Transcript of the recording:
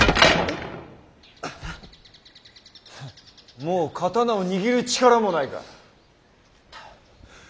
もう刀を握る力もないか。